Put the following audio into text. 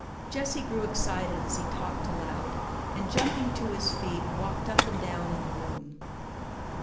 Jesse grew excited as he talked aloud and jumping to his feet walked up and down in the room.